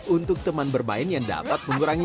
untuk teman bermain yang dapat mengurangi